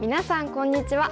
こんにちは。